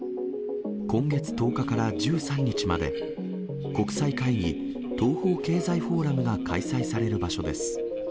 今月１０日から１３日まで、国際会議、東方経済フォーラムが開催される場所です。